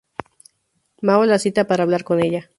Mao la cita para hablar con ella.